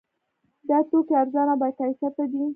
دا توکي ارزانه او باکیفیته دي.